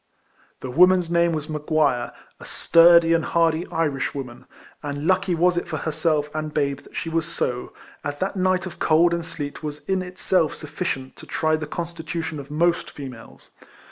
The woman's name was M'Guire, a sturdy and hardy Irishwoman; and lucky was it for herself and babe that she was so. as that night of cold and sleet was in itself sufficient to try the constitution of most females.